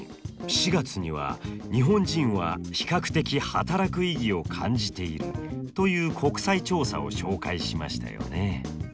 ４月には日本人は比較的働く意義を感じているという国際調査を紹介しましたよね。